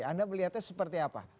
anda melihatnya seperti apa